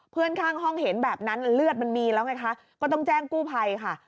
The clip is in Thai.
เพื่อนข้างห้องเห็นแบบนั้นเลือดมันมีแล้วไงคะก็ต้องแจ้งกู้ภัยค่ะ